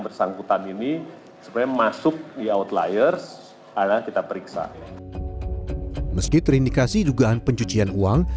bersangkutan ini sebenarnya masuk di outliers adalah kita periksa meski terindikasi dugaan pencucian uang